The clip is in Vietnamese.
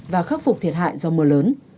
và khắc phục thiệt hại do mưa lớn